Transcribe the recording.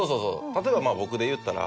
例えば僕で言ったら。